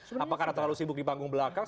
apa karena terlalu sibuk di panggung belakang